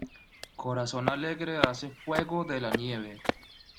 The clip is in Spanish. Corazón alegre hace fuego de la nieve.